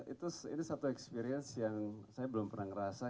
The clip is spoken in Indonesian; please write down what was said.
itu satu experience yang saya belum pernah ngerasa